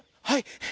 「はい。